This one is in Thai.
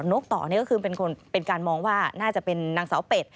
นกต่อนี่ก็คือเป็นการมองว่าน่าจะเป็นนางสาวเป็ด